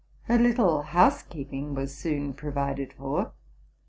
Her little house keeping was soon provided for.